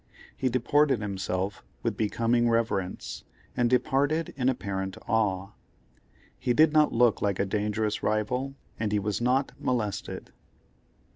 He deported himself with becoming reverence, and departed in apparent awe. He did not look like a dangerous rival, and he was not molested.